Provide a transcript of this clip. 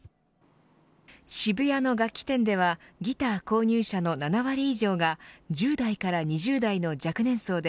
渋谷の楽器店ではギター購入者の７割以上が１０代から２０代の若年層で